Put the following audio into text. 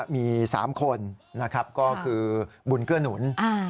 มี๓คนก็คือบุญเกื้อหนุน